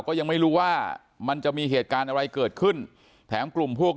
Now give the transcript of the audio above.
ก็ยังไม่รู้ว่ามันจะมีเหตุการณ์อะไรเกิดขึ้นแถมกลุ่มพวก